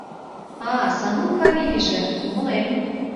— А Санун фамилийже— Умылем.